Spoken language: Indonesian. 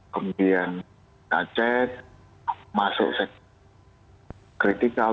kemudian cacet masuk sektor kritikal